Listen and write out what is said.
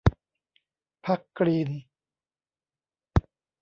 พรรคกรีน